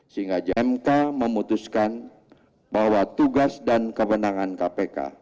sehingga jmk memutuskan bahwa tugas dan kewenangan kpk